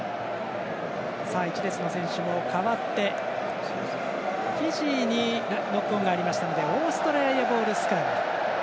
１列の選手も代わってフィジーにノックオンがありましたのでオーストラリアボールスクラム。